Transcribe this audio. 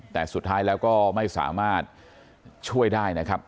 แต่สุดท้ายแล้วก็ไม่สามารถช่วยได้นะครับ